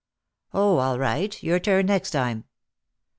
"Oh, all right; your turn next time."